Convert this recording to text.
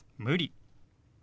「無理」。